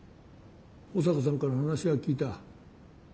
保坂さんから話は聞いた。